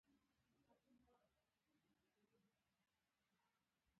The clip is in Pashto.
له رڼا سره تن په تن جګړه ونښته.